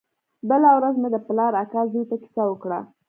بله ورځ مې د پلار د اکا زوى ته کيسه وکړه.